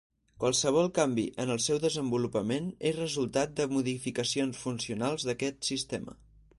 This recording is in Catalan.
Qualsevol canvi en el seu desenvolupament és resultat de modificacions funcionals d'aquest sistema.